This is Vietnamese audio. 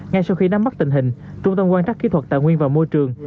ngay sau khi nắm bắt tình hình trung tâm quan trắc kỹ thuật tài nguyên và môi trường